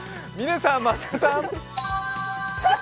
嶺さん、増田さん。